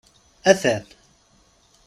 Atan.